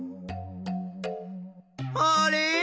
あれ？